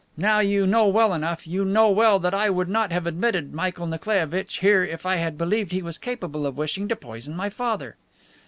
Now, you know well enough, you know well that I would not have admitted Michael Nikolaievitch here if I had believed he was capable of wishing to poison my father."